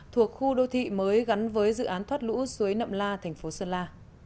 thuộc khu đô thị mới gắn với dự án thoát lũ suối nậm la thành phố sơn la